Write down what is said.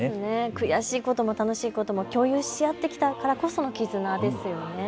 悔しいことも楽しいことも共有し合ってきたからこその絆ですよね。